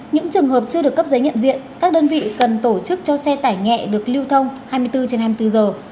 những trường hợp chưa được cấp giấy nhận diện các đơn vị cần tổ chức cho xe tải nhẹ được lưu thông hai mươi bốn trên hai mươi bốn giờ